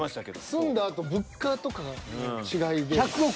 住んだあと物価とかの違いで。